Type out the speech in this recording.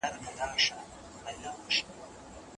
ټول انسانان یو بل ته په ژوند کي اړتیا لري.